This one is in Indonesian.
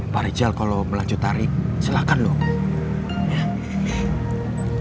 pak rijal kalau melanjut tarik silakan loh